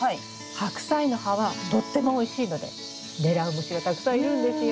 ハクサイの葉はとってもおいしいので狙う虫がたくさんいるんですよ。